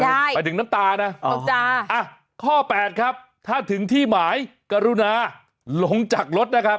หมายถึงน้ำตานะข้อแปดครับถ้าถึงที่หมายกรุณาลงจากรถนะครับ